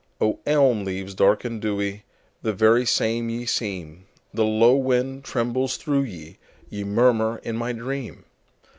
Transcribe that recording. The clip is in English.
O, elm leaves dark and dewy, The very same ye seem, The low wind trembles through ye, Ye murmur in my dream!